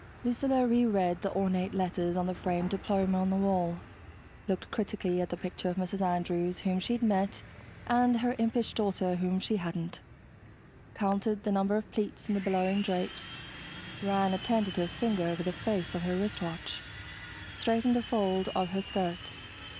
Lucilla reread the ornate letters on the framed diploma on the wall, looked critically at the picture of Mrs. Andrews whom she'd met and her impish daughter whom she hadn't counted the number of pleats in the billowing drapes, ran a tentative finger over the face of her wristwatch, straightened a fold of her skirt